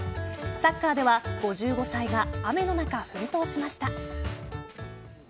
サッカーでは５５歳が雨の中、奮闘しました。